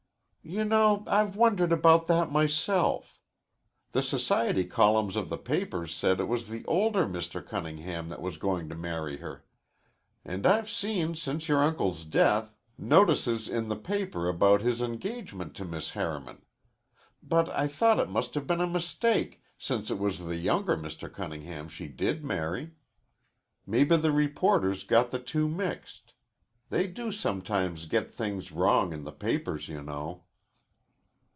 "You know I've wondered about that myself. The society columns of the papers said it was the older Mr. Cunningham that was going to marry her. And I've seen, since your uncle's death, notices in the paper about his engagement to Miss Harriman. But I thought it must have been a mistake, since it was the younger Mr. Cunningham she did marry. Maybe the reporters got the two mixed. They do sometimes get things wrong in the papers, you know."